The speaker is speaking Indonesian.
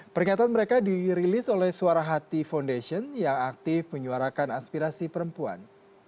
peringatan mereka dirilis oleh suara hati foundation yang aktif menyuarakan aspirasi perempuan